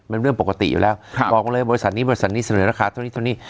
เป็นเรื่องปกติอยู่แล้วบอกเลยบริษัทนี้บริษัทนี้เสนอราคาเท่านี้เท่านี้